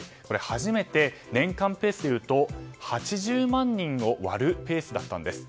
初めて年間ペースでいうと８０万人を割るペースだったんです。